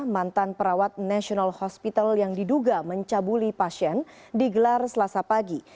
mantan perawat national hospital yang diduga mencabuli pasien digelar selasa pagi